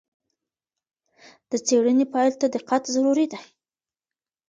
د څېړنې پایلو ته دقت ضروری دی.